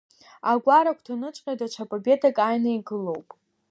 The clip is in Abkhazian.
Агәар агәҭаныҵәҟьа даҽа Победак ааины игылоуп.